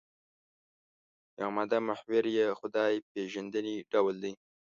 یو عمده محور یې خدای پېژندنې ډول دی.